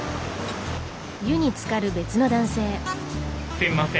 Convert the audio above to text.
すいません。